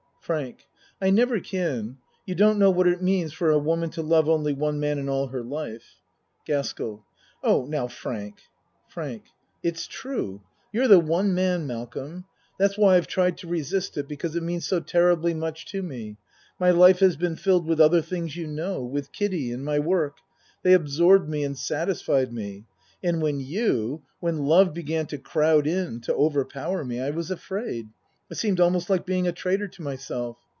FRANK I never can. You don't know what it means for a woman to love only one man in all her life. GASKELL Oh, now Frank FRANK It's true. You're the one man, Mal colm. That's why I've tried to resist it because it means so terribly much to me. My life has been filled with other things you know with Kiddie and my work. They absorbed me and satisfied me; and when you when love began to crowd in to overpower me I was afraid. It seemed almost like being a traitor to myself.